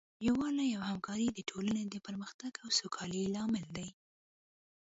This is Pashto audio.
یووالی او همکاري د ټولنې د پرمختګ او سوکالۍ لامل دی.